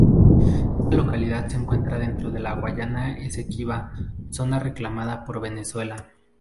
Esta localidad se encuentra dentro de la Guayana Esequiba, zona reclamada por Venezuela.